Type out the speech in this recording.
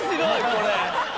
これ。